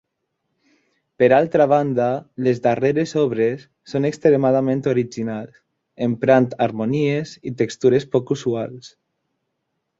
Per altra banda, les darreres obres, són extremadament originals, emprant harmonies i textures poc usuals.